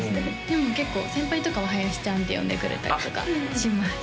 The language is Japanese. でも結構先輩とかは林ちゃんって呼んでくれたりとかします